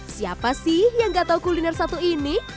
siapa sih yang gak tau kuliner satu ini